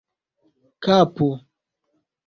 kapo